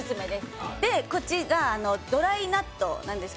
こっちがドライ納豆なんです